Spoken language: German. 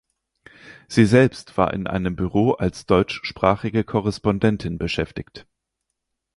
Sie selbst war in einem Büro als deutschsprachige Korrespondentin beschäftigt.